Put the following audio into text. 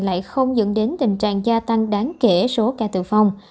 lại không dẫn đến tình trạng gia tăng đáng kể số ca tử vong